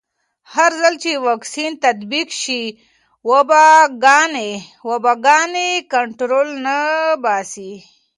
هرځل چې واکسین تطبیق شي، وباګانې کنټرول نه باسي.